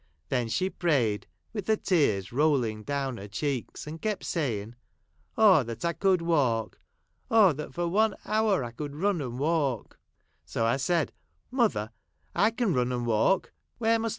Then she prayed, with the tears rolling down her cheeks, and kept saying —' Oh, that I could walk !— Oh, that for one hour I could run and Avalk !' So I said, ' Mother, I can run and walk. Where must.